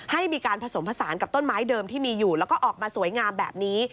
ให้มีการผสมผสานกับต้นไม้เดิมที่มีอยู่แล้วก็ออกมาสวยงามแบบนี้